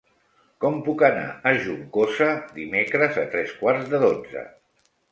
Com puc anar a Juncosa dimecres a tres quarts de dotze?